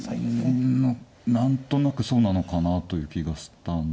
まあ何となくそうなのかなという気がした。